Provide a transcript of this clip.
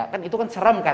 kan itu kan serem kan